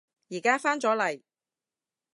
而家返咗嚟